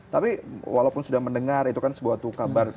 tapi walaupun sudah mendengar itu kan sebuah tuh kabar